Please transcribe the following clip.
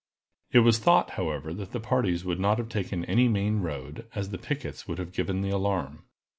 It was thought, however, that the parties would not have taken any main road, as the pickets would have given the alarm.